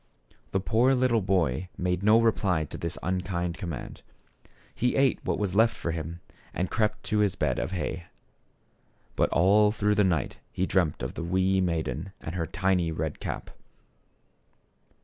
The poor little boy made no reply to this un kind command. He ate what was left for him and crept to his bed of hay. But all through the night he dreamed of the w r ee maiden and her tiny red cap.